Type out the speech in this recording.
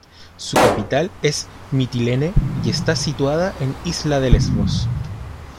Su capital es Mitilene y está situada en la isla de Lesbos.